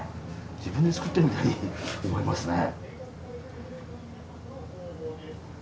自分で作ってるみたいに思えますね。